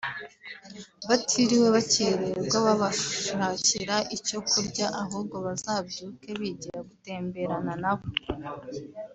batiriwe bacyererwa babashakira icyo kurya ahubwo bazabyuke bigira gutemberana nabo